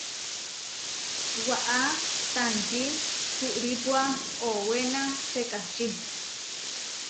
Waʼá tankí kuʼrípua owená sekačí.